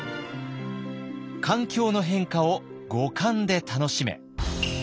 「環境の変化を五感で楽しめ！」。